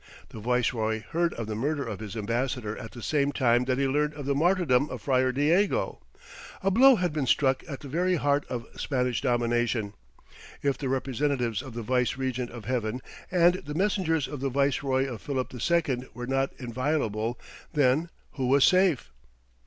The viceroy heard of the murder of his ambassador at the same time that he learned of the martyrdom of Friar Diego. A blow had been struck at the very heart of Spanish domination; if the representatives of the Vice Regent of Heaven and the messengers of the viceroy of Philip II were not inviolable, then who was safe?